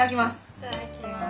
いただきます。